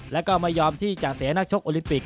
แล้วก็ไม่ยอมที่จะเสียนักชกโอลิมปิก